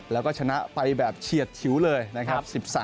แล้วก็ชนะไปแบบเฉียดชิวเลยนะครับ